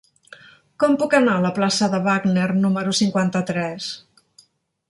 Com puc anar a la plaça de Wagner número cinquanta-tres?